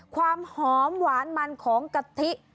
ความหอมหวานมันของกะทิ